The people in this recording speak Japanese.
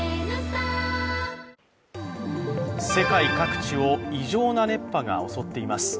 世界各地を異常な熱波が襲っています。